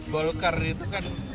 golkar itu kan